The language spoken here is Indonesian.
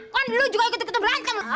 kan dulu juga ikut ikut berantem